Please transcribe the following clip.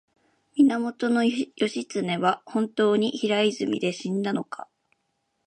源義経は本当に平泉で死んだのか